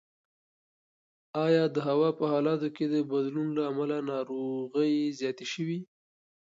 ایا د هوا په حالاتو کې د بدلون له امله ناروغۍ زیاتې شوي؟